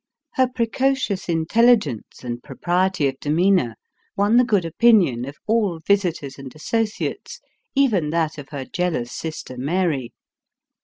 Her precocious in telligence and propriety of demeanor, won the good opinion of all visitors and associates — even that of her jealous sister Mary.